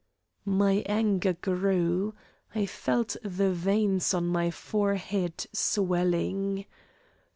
My anger grew. I felt the veins on my forehead swelling.